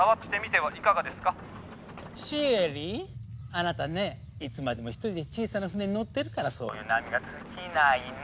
あなたねいつまでも１人で小さな船に乗ってるからそういう悩みが尽きないの。